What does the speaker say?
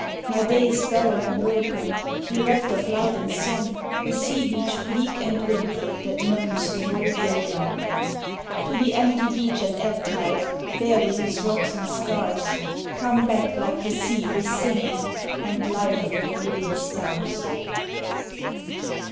My day is barren and broken, Bereft of light and song, A sea beach bleak and windy That moans the whole day long. To the empty beach at ebb tide, Bare with its rocks and scars, Come back like the sea with singing, And light of a million stars.